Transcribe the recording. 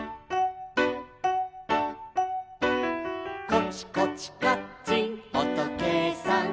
「コチコチカッチンおとけいさん」